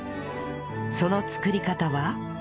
その作り方は